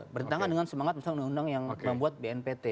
bertentangan dengan semangat misalnya undang undang yang membuat bnpt